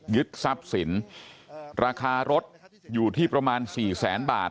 ทรัพย์สินราคารถอยู่ที่ประมาณ๔แสนบาท